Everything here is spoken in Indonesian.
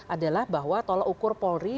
adalah bahwa tolok ukur polri